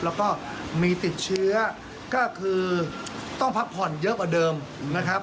แล้วก็มีติดเชื้อก็คือต้องพักผ่อนเยอะกว่าเดิมนะครับ